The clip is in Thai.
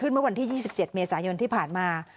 เมื่อวันที่๒๗เมษายนที่ผ่านมา